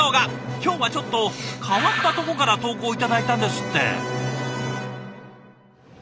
今日はちょっと変わったとこから投稿頂いたんですって。